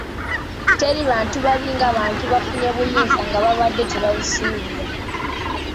Teri bantu babi nga bantu bafunye buyinza nga babadde tebabusuubira.